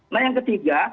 nah yang ketiga